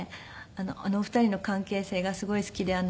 あのお二人の関係性がすごい好きで。